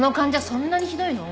そんなにひどいの？